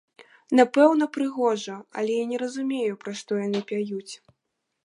Напэўна, прыгожа, але я не разумею, пра што яны пяюць.